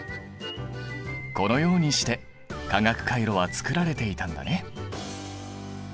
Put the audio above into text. このようにして化学カイロは作られていたんだね。